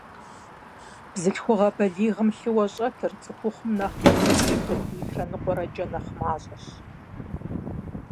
Бзылъхугъэ балигъым лъыуэ щӏэтыр цӏыхухъум нэхърэ зы литр - литррэ ныкъуэрэкӏэ нэхъ мащӏэщ.